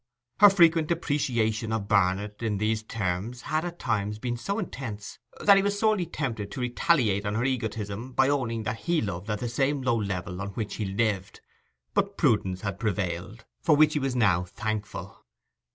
Her frequent depreciation of Barnet in these terms had at times been so intense that he was sorely tempted to retaliate on her egotism by owning that he loved at the same low level on which he lived; but prudence had prevailed, for which he was now thankful.